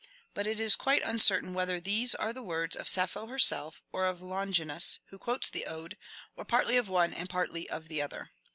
But it is quite uncertain whether these are the words of Sappho herself or of Longinus, who quotes the ode, or partly of one and partly of the other.